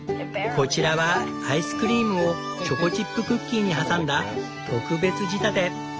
こちらはアイスクリームをチョコチップクッキーに挟んだ特別仕立て。